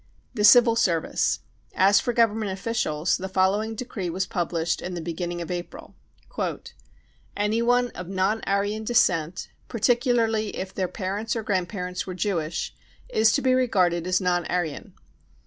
The Civil Service. As for Government officials, the following decree was published in the beginning of April : ip <c Anyone of non Aryan descent, particularly if their parents or grandparents were Jewish, is to be regarded as non Aryan.